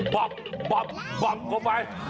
ปับเข้าไป